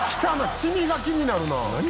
シミが気になるな。